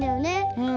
うん。